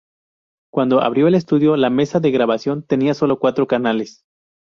Cuando abrió el estudio la mesa de grabación tenía sólo cuatro canales.